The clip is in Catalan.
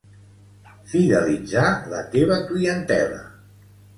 Fidelitzar la teva clientela